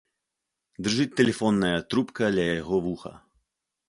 Дрыжыць тэлефонная трубка ля яго вуха.